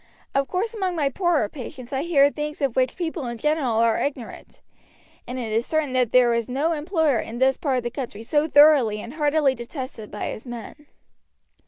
Of course among my poorer patients I hear things of which people in general are ignorant, and it is certain that there was no employer in this part of the country so thoroughly and heartily detested by his men."